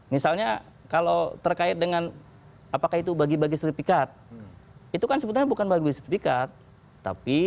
misalnya kalau terkait dengan apakah itu bagi bagi sertifikat itu kan sebetulnya bukan bagi sertifikat tapi